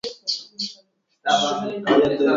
Demà na Nara i na Dolça aniran a Alacant.